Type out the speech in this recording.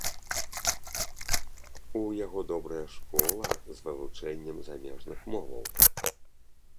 У яго добрая школа, з вывучэннем замежных моваў.